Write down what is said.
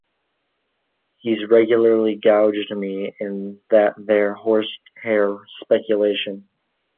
He's regularly gouged me in that there horsehair speculation.